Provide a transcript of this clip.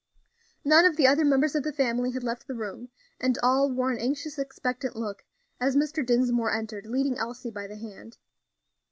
None of the other members of the family had left the room, and all wore an anxious, expectant look, as Mr. Dinsmore entered, leading Elsie by the hand.